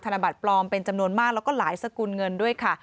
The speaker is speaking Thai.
ธนบัตรปลอมเป็นจำนวนมากแล้วก็หลายสกุลเงินด้วยค่ะ